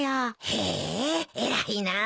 へえ偉いなぁ。